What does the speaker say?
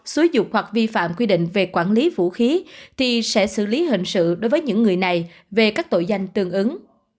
xúi dục hoặc vi phạm quy định về quản lý vũ khí thì sẽ xử lý hình sự đối với những người này về các tội danh tương ứng